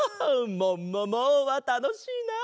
「ももも！」はたのしいなあ。